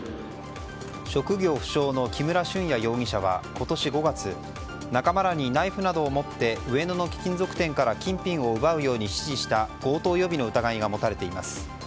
職業不詳の木村俊哉容疑者は今年５月仲間らにナイフなどを持って上野の貴金属店から金品を奪うように指示した強盗予備の疑いが持たれています。